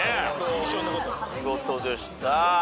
見事でした。